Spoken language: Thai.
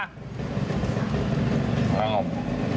นั่งออก